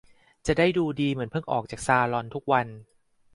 จะได้ดูดีเหมือนเพิ่งออกจากซาลอนทุกวัน